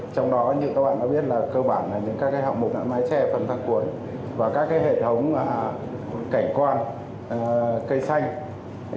trong đó như các bạn đã biết là cơ bản là các hạng mục mái tre phần thăng cuộn và các hệ thống cảnh quan cây xanh